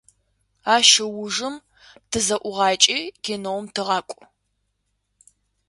Ащ ыужым тызэӀугъакӀи, киноум тыгъакӀу.